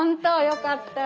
よかった！